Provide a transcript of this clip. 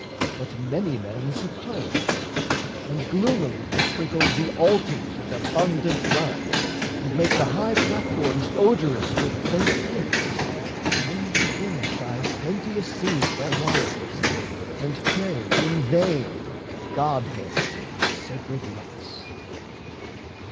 What many men suppose; and gloomily They sprinkle the altars with abundant blood, And make the high platforms odorous with burnt gifts, To render big by plenteous seed their wives And plague in vain godheads and sacred lots.